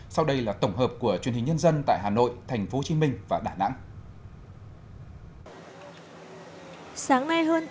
sau đây là tổng hợp của truyền hình nhân dân tại hà nội tp hcm và đà nẵng